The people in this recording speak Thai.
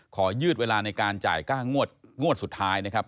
ยืดเวลาในการจ่ายค่างวดสุดท้ายนะครับ